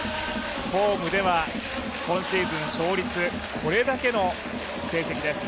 ホームでは今シーズン勝率これだけの勝率です。